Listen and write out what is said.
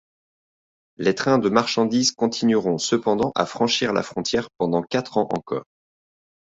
Les trains de marchandises continueront cependant à franchir la frontière pendant quatre ans encore.